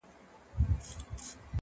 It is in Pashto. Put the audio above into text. بنده اريان، خداى مهربان.